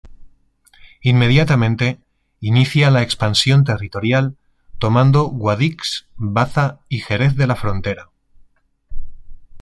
Inmediatamente inicia la expansión territorial tomando Guadix, Baza y Jerez de la Frontera.